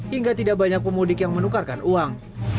hingga tidak banyak pemudik yang menukarkan uang